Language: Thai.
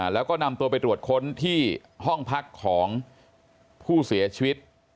แล้วก็นำตัวไปตรวจค้นที่ห้องพักของผู้เสียชีวิต